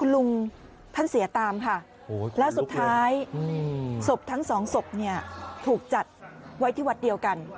ลุงท่านเสียตามค่ะแล้วสุดท้ายศพทั้งสองศพเนี่ยถูกจัดไว้ที่วัดเดียวกัน